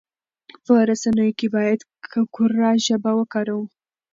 په رسنيو کې بايد کره ژبه وکاروو.